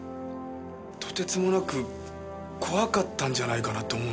とてつもなく怖かったんじゃないかなと思うんです。